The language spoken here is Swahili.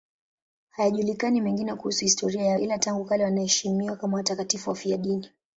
Hayajulikani mengine kuhusu historia yao, ila tangu kale wanaheshimiwa kama watakatifu wafiadini.